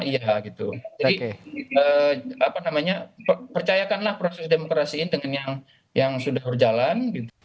jadi percayakanlah proses demokrasi ini dengan yang sudah berjalan